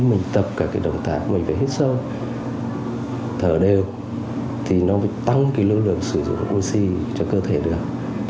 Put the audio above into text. mình tập các động tác mình phải hít sâu thở đều thì nó tăng lực sử dụng oxy cho cơ thể được